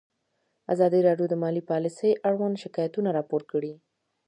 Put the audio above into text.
ازادي راډیو د مالي پالیسي اړوند شکایتونه راپور کړي.